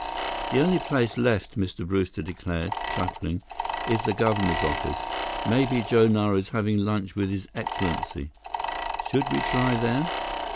"The only place left," Mr. Brewster declared, chuckling, "is the governor's office. Maybe Joe Nara is having lunch with His Excellency. Should we try there?"